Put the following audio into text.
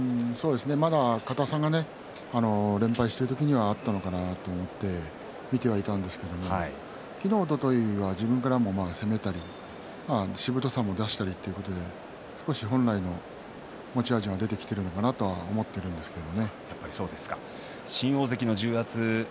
まだ硬さが連敗している時にはあったのかなと思って見ていたんですけれど昨日、おとといは自分からも攻めたりしぶとさも出したりということで少し本来の持ち味が出てきているのかなと思っているんですけどね。